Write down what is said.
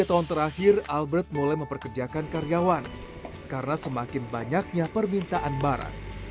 tiga tahun terakhir albert mulai memperkerjakan karyawan karena semakin banyaknya permintaan barang